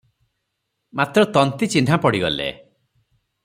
ମାତ୍ର ତନ୍ତୀ ଚିହ୍ନା ପଡ଼ିଗଲେ ।